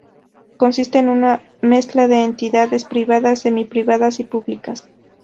Consisten en una mezcla de entidades privadas, semi-privadas y públicas.